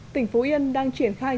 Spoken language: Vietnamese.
tỉnh phú yên đang triển khai